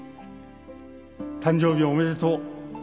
「誕生日おめでとう」